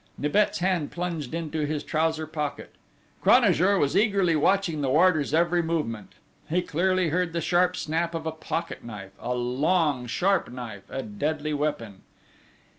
Nibet's hand plunged into his trouser pocket. Cranajour was eagerly watching the warder's every movement: he clearly heard the sharp snap of a pocket knife a long sharp knife a deadly weapon!